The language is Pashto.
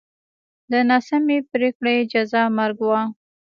د ناسمې پرېکړې جزا مرګ و